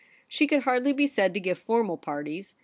She could hardly be said to give formal parties.